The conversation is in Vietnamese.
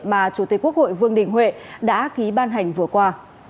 mà chủ tịch quốc hội vương đình huệ đã ký ban hành vừa qua